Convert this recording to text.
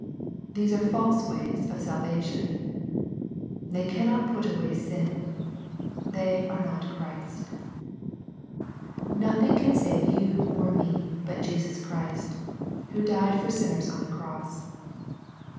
These are false ways of salvation. They cannot put away sin. They are not Christ. Nothing can save you or me but Jesus Christ, who died for sinners on the cross.